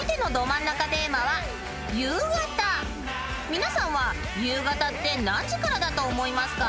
［皆さんは夕方って何時からだと思いますか？］